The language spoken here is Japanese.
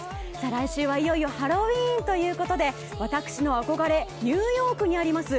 来週はいよいよハロウィーンということで私、憧れニューヨークにあります